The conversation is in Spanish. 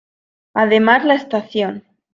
Además la estación.